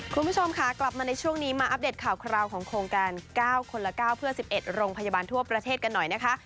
คุณผู้ชมค่ะกลับมาในช่วงนี้มาอัปเดตข่าวคราวของโครงการ๙คนละ๙เพื่อ๑๑โรงพยาบาลทั่วประเทศกันหน่อยนะคะ